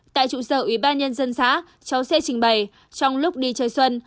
tại trụ sở ubnd dân xã cháu sê trình bày trong lúc đi chơi xuân